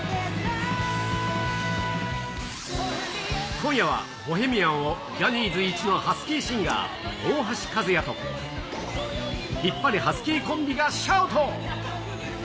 今夜はボヘミアンを、ジャニーズ一のハスキーシンガー、大橋和也と、ヒッパレハスキーコンビがシャウト。